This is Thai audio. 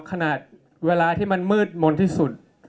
ขนาดเวลาที่มันมืดมนต์ที่สุด